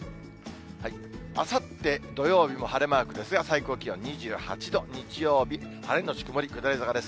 あさって土曜日も晴れマークですが、最高気温２８度、日曜日、晴れ後曇り、下り坂です。